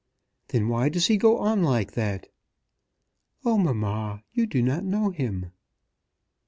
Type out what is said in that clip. "Then why does he go on like that?" "Oh, mamma, you do not know him."